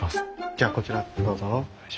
じゃあこちらどうぞ。